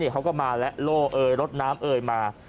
เขาก็มาแล้วโล่เอ่ยรถน้ำเอยมา